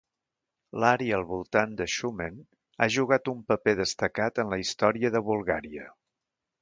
L'àrea al voltant de Xumen ha jugat un paper destacat en la història de Bulgària.